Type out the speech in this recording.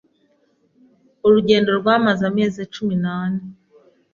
Urugendo rwamaze amezi cumi nane.